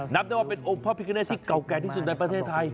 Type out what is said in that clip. นับได้ว่าเป็นองค์พระพิกาเนตที่เก่าแก่ที่สุดในประเทศไทย